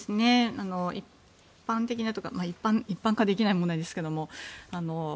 一般的にというか一般化できない問題ですけども。